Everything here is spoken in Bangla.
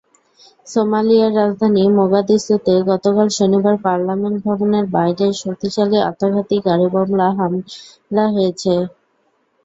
সোমালিয়ার রাজধানী মোগাদিসুতে গতকাল শনিবার পার্লামেন্ট ভবনের বাইরে শক্তিশালী আত্মঘাতী গাড়িবোমা হামলা হয়েছে।